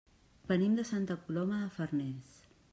Venim de Santa Coloma de Farners.